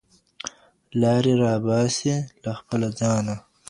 لاري راباسي له خپله ځانه